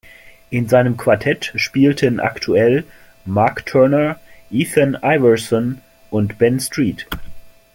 In seinem Quartett spielten aktuell Mark Turner, Ethan Iverson und Ben Street.